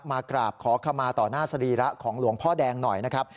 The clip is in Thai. มากราบขอขมาต่อหน้าสรีระของหลวงพ่อแดงหน่อยนะครับ